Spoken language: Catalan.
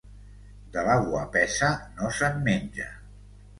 De la guapesa no se'n menja.